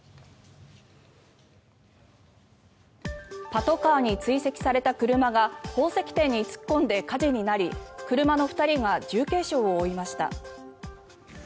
パトカーに追跡された車が宝石店に突っ込んで火事になり車の２人が重軽傷を負いました。